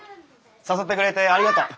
誘ってくれてありがとう。